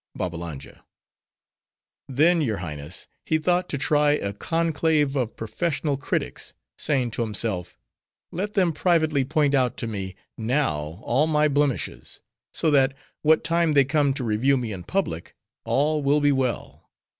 BABBALANJA—Then, your Highness, he thought to try a conclave of professional critics; saying to himself, "Let them privately point out to me, now, all my blemishes; so that, what time they come to review me in public, all will be well."